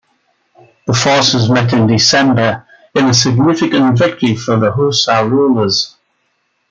The forces met in December in a significant victory for the Hausa rulers.